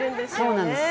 そうなんです。